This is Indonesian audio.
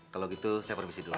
kalau gitu saya perbisi dulu